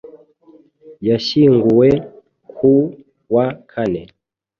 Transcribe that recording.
yashyinguwe ku wa Kane,